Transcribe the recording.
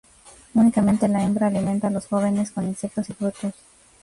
Únicamente la hembra alimenta los jóvenes con insectos y frutos.